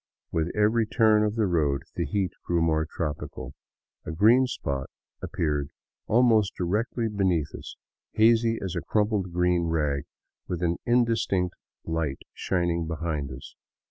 With every turn of the road the heat grew more tropical. A green spot appeared almost directly beneath us, hazy as a crumpled green rag with an indistinct light shining behind it.